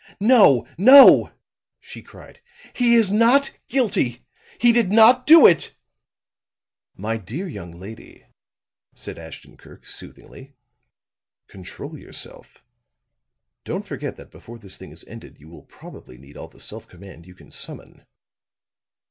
"No, no!" she cried. "He is not guilty! He did not do it!" "My dear young lady," said Ashton Kirk, soothingly, "control yourself. Don't forget that before this thing is ended you will probably need all the self command you can summon."